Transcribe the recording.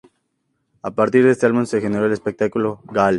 A partir de este álbum se generó el espectáculo "Gal!".